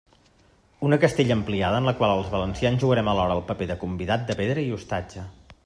Una Castella ampliada en la qual els valencians jugarem alhora el paper de convidat de pedra i ostatge.